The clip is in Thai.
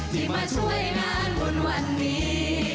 ที่มาช่วยงานบุญวันนี้